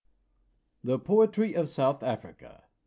THE POETRY OF SOUTH AFRICA.